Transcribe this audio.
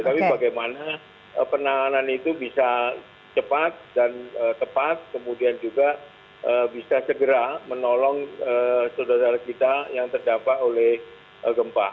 tapi bagaimana penanganan itu bisa cepat dan tepat kemudian juga bisa segera menolong saudara saudara kita yang terdampak oleh gempa